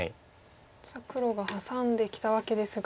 さあ黒がハサんできたわけですが。